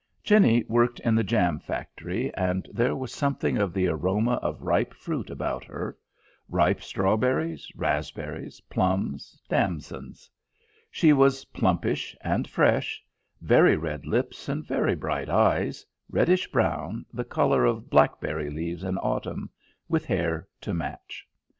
Jenny worked in the jam factory, and there was something of the aroma of ripe fruit about her: ripe strawberries, raspberries, plums, damsons. She was plumpish and fresh: very red lips and very bright eyes, reddish brown, the colour of blackberry leaves in autumn, with hair to match.